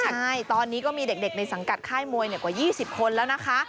ใช่ตอนนี้ก็มีเด็กในสังกัดค่ายมวยกว่า๒๐คนแล้วนะคะ